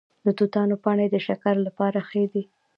د توتانو پاڼې د شکر لپاره ښې دي؟